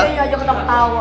nih aja ketawa